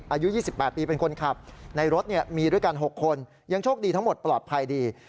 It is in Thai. อายุ๒๘ปีเป็นคนขับในรถมีด้วยกัน๖คนยังโชคดีทั้งหมดปลอดภัยดี